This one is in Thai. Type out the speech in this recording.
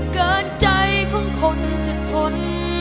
เกินใจของคนจะทน